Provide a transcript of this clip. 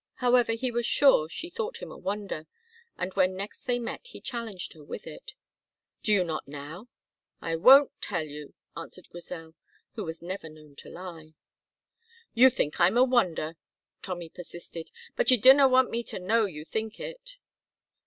However he was sure she thought him a wonder, and when next they met he challenged her with it. "Do you not now?" "I won't tell you," answered Grizel, who was never known to lie. "You think I'm a wonder," Tommy persisted, "but you dinna want me to know you think it."